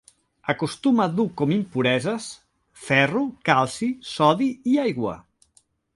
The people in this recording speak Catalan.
Acostuma a dur com impureses: ferro, calci, sodi i aigua.